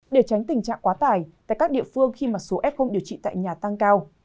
để tránh tình trạng quá tải tại các địa phương khi mà số f điều trị tại nhà tăng cao